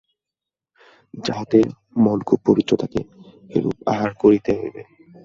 যাহাতে মন খুব পবিত্র থাকে, এরূপ আহার করিতে হইবে।